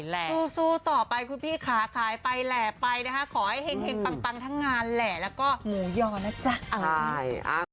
และมีโชคชัย